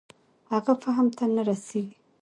هغه فهم ته نه رسېږي.